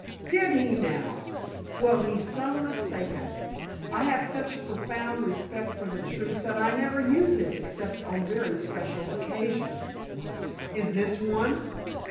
"Did he, now! Well, he's some mistaken! I have such a profound respect for the truth that I never use it except on very special occasions." "Is this one?"